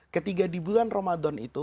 ketika di bulan ramadhan itu